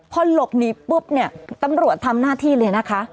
พอหลบหนีปุ๊บเนี่ยตำรวจทำหน้าที่เลยนะคะ